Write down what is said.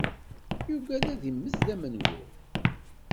Yugad ad immet d amengur.